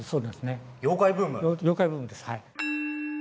妖怪ブームですはい。